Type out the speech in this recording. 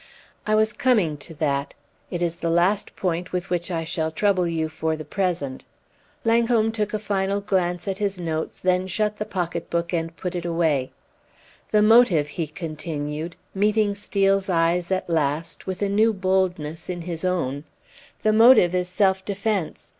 "I was coming to that; it is the last point with which I shall trouble you for the present." Langholm took a final glance at his notes, then shut the pocket book and put it away. "The motive," he continued, meeting Steel's eyes at last, with a new boldness in his own "the motive is self defence!